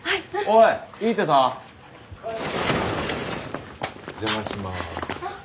お邪魔します。